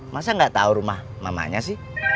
masa gak tau rumah mamanya sih